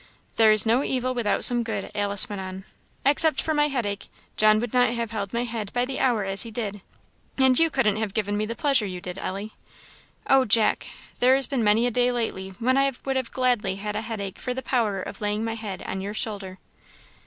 "There is no evil without some good," Alice went on. "Except for my headache, John would not have held my head by the hour as he did; and you couldn't have given me the pleasure you did, Ellie. Oh, Jack! there has been many a day lately when I would gladly have had a headache for the power of laying my head on your shoulder!"